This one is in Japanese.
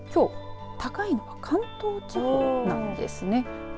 きょう高いのは関東地方なんですね。